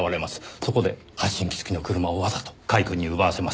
そこで発信機付きの車をわざと甲斐くんに奪わせます。